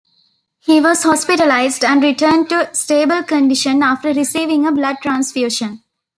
He was hospitalized and returned to stable condition after receiving a blood transfusion.